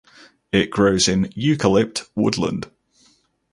It grows in eucalypt woodland.